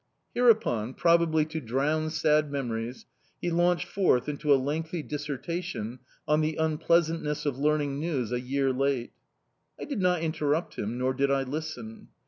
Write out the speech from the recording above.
Hereupon probably to drown sad memories he launched forth into a lengthy dissertation on the unpleasantness of learning news a year late. I did not interrupt him, nor did I listen.